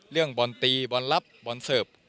เรื่องบอลตีบอลลับบอลเสิร์ฟ